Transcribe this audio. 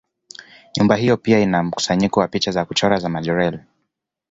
Nyumba hiyo pia ina mkusanyiko wa picha za kuchora za Majorelle.